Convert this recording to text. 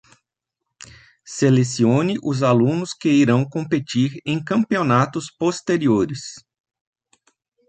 Selecione os alunos que irão competir em campeonatos posteriores.